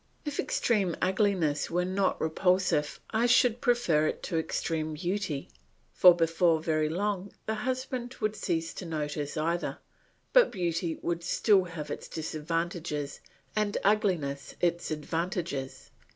If extreme ugliness were not repulsive I should prefer it to extreme beauty; for before very long the husband would cease to notice either, but beauty would still have its disadvantages and ugliness its advantages.